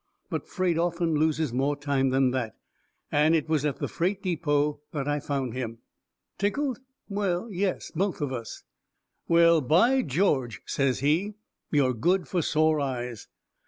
But freight often loses more time than that. And it was at the freight depot that I found him. Tickled? Well, yes! Both of us. "Well, by George," says he, "you're good for sore eyes."